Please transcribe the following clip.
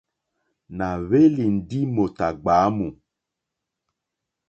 Nà hwélì ndí mòtà ɡbwǎmù.